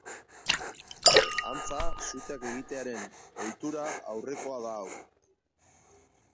Antza, suteak egitearen ohitura aurrekoa da hau.